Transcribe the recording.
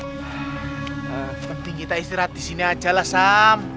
ah penting kita istirahat di sini aja lah sam